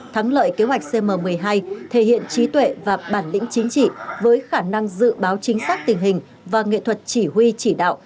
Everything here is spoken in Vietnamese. thắng lợi kế hoạch cm một mươi hai thể hiện trí tuệ và bản lĩnh chính trị với khả năng dự báo chính xác tình hình và nghệ thuật chỉ huy chỉ đạo